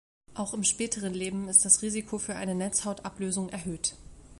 Auch im späteren Leben ist das Risiko für eine Netzhautablösung erhöht.